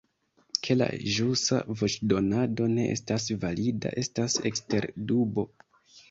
Ke la ĵusa voĉdonado ne estas valida, estas ekster dubo.